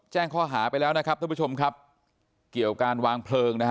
แจ้งข้อหาไปแล้วนะครับท่านผู้ชมครับเกี่ยวการวางเพลิงนะฮะ